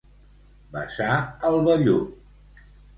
Besar el vellut.